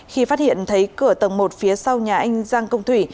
khi phát hiện thấy cửa tầng một phía sau nhà anh giang công thủy